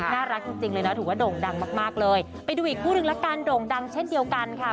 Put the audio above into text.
น่ารักจริงเลยนะถือว่าโด่งดังมากมากเลยไปดูอีกคู่หนึ่งละกันโด่งดังเช่นเดียวกันค่ะ